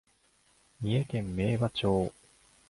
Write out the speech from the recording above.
三重県明和町